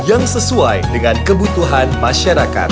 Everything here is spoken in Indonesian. yang sesuai dengan kebutuhan masyarakat